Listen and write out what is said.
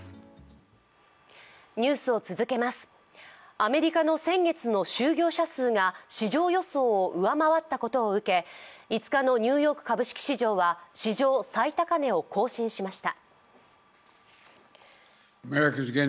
アメリカの先月の就業者数が市場予想を上回ったことを受け、５日のニューヨーク株式市場は史上最高値を更新しました。